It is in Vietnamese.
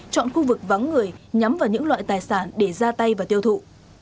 chọn khu vực vắng người nhắm vào những loại tài sản để ra tay và tiêu thụ